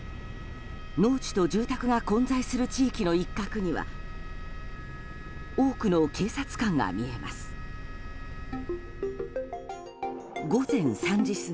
農地と住宅が混在する地域の一角には多くの警察官が見えます。